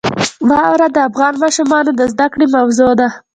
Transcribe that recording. واوره د افغان ماشومانو د زده کړې موضوع ده.